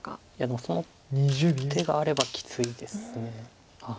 でもその手があればきついです。